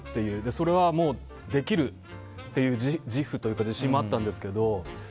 それはもうできるという自負というか自信もあったんですけど。